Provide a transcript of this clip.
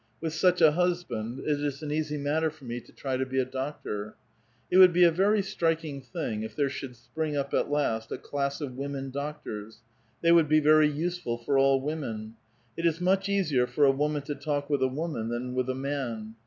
With such a husband, it is an easy matter for me to try to be a doctor. It would be a very striking thing if there should spring up at last a class of women doctors. They would be very useful for all women. It is much easier for a woman to talk with a woman than with a man.